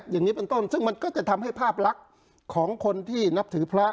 อย่างนี้เป็นต้นซึ่งมันก็จะทำให้ภาพลักษณ์ของคนที่นับถือพระ